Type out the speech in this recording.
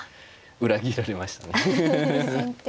裏切られましたね。